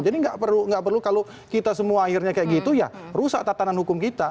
jadi nggak perlu kalau kita semua akhirnya kayak gitu ya rusak tatanan hukum kita